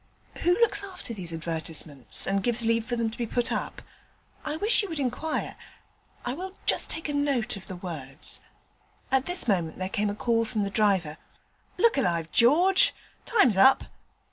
'Who looks after these advertisements, and gives leave for them to be put up? I wish you would inquire. I will just take a note of the words.' At this moment there came a call from the driver: 'Look alive, George, time's up.'